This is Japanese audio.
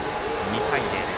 ２対０。